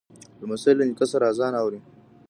لمسی له نیکه سره آذان اوري.